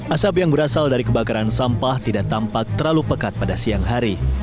asap yang berasal dari kebakaran sampah tidak tampak terlalu pekat pada siang hari